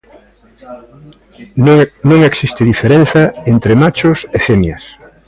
Non existe diferenza entre machos e femias.